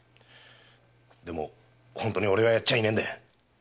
でも本当に俺はやっちゃいないんだ。